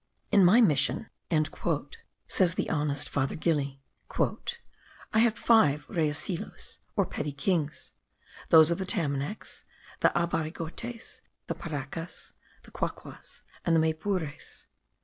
"In my mission," says the honest father Gili "I had five reyecillos, or petty kings, those of the Tamanacs, the Avarigotes, the Parecas, the Quaquas, and the Maypures.